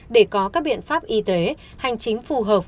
để có các biện pháp y tế hành chính phù hợp